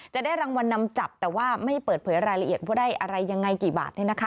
จะได้รางวัลนำจับแต่ว่าไม่เปิดเผยรายละเอียดว่าได้อะไรยังไงกี่บาท